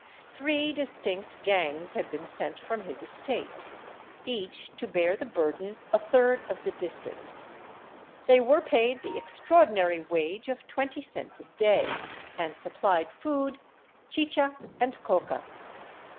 Three distinct gangs had been sent from his estate, each to bear the burden a third of the distance. They were paid the extraordinary wage of twenty cents a day, and supplied food, chicha, and coca.